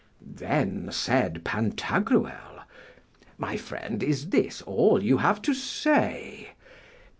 Then said Pantagruel, My friend, is this all you have to say?